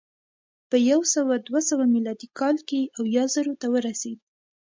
په یو سوه دوه سوه میلادي کال کې اویا زرو ته ورسېد